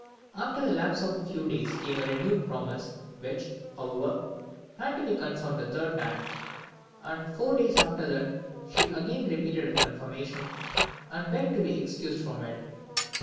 After the lapse of a few days came a renewed promise, which, however, had to be confirmed a third time; and four days after that, she again repeated her confirmation, and begged to be excused from it.